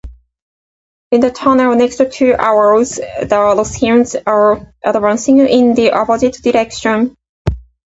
In the tunnel next to ours, the Russians are advancing in the opposite direction.